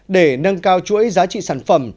để nâng cao chuỗi giá trị sản phẩm